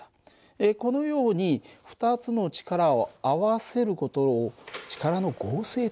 このように２つの力を合わせる事を力の合成というんだ。